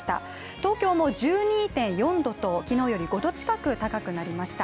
東京も１２．４度と昨日より５度近く高くなりました。